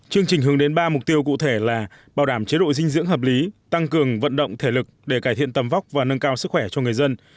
chương trình hướng đến ba mục tiêu cụ thể là bảo đảm chế độ dinh dưỡng hợp lý tăng cường vận động thể lực để cải thiện tầm vóc và nâng cao sức khỏe cho người dân